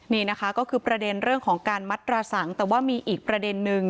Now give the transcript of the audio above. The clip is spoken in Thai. นี่นะคะก็คือประเด็นเรื่องของการมัดตราสังแต่ว่ามีอีกประเด็นนึง